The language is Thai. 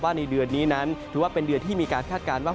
ในเดือนนี้นั้นถือว่าเป็นเดือนที่มีการคาดการณ์ว่า